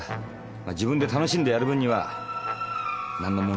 まっ自分で楽しんでやる分にはなんの問題もありません。